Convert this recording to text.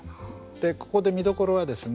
ここで見どころはですね